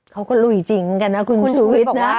เขาก็ลุยจริงกันนะคุณชุวิตนะ